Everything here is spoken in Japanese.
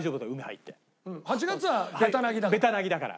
８月はべた凪だから。